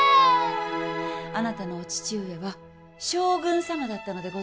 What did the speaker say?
あなたのお父上は将軍様だったのでございますよ。